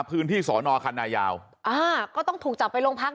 พื้นที่สอนอคันนายาวอ่าก็ต้องถูกจับไปโรงพัก